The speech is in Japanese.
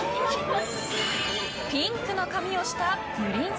ピンクの髪をしたプリンス。